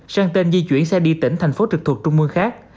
sang tên di chuyển xe đi tỉnh thành phố trực thuộc trung mương khác